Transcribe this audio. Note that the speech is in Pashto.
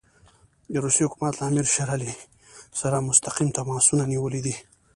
د روسیې حکومت له امیر شېر علي سره مستقیم تماسونه نیولي دي.